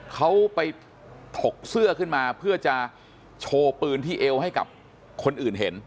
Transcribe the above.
เขาไปถกเสื้อขึ้นมาเพื่อจะโชว์ปืนที่เอวให้กับคนอื่นเห็น